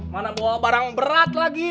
mana bawa barang berat lagi